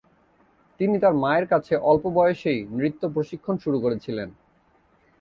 তিনি তাঁর মায়ের কাছে অল্প বয়সেই নৃত্য প্রশিক্ষণ শুরু করেছিলেন।